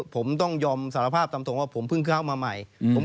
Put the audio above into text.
ผมต้องยอมสารภาพตามตรงว่าผมเพิ่งเข้ามาใหม่